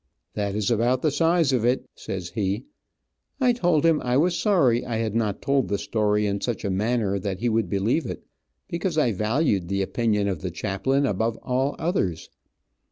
"That is about the size of it," says he. I told him I was sorry I had not told the story in such a manner that he would believe it, because I valued the opinion of the chaplain above all others.